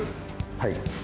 はい。